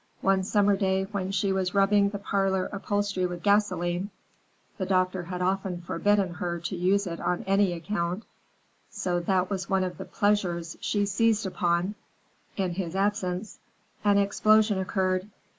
One summer day when she was rubbing the parlor upholstery with gasoline,—the doctor had often forbidden her to use it on any account, so that was one of the pleasures she seized upon in his absence,—an explosion occurred.